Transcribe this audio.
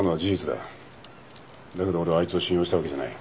だけど俺はあいつを信用したわけじゃない。